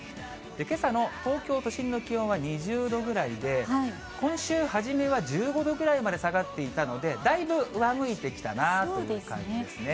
けさの東京都心の気温は２０度ぐらいで、今週初めは１５度ぐらいまで下がっていたので、だいぶ上向いてきたなという感じですね。